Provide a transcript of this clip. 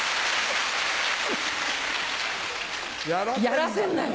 やらせんなよ！